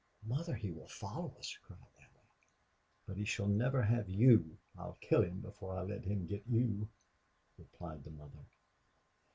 "Mother, he will follow us!" cried Allie. "But he shall never have you. I'll kill him before I let him get you," replied the mother.